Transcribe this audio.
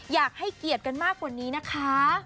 อยากให้เกียรติกันมากกว่านี้นะคะ